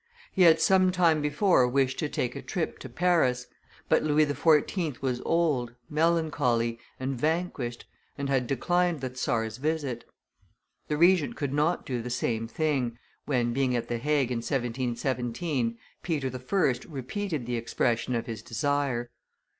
He had some time before wished to take a trip to Paris, but Louis XIV. was old, melancholy, and vanquished, and had declined the czar's visit. The Regent could not do the same thing, when, being at the Hague in 1717, Peter I. repeated the expression of his desire.